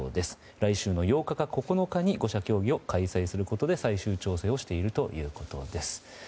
来週の８日か９日に５者協議を開催することで最終調整をしているということです。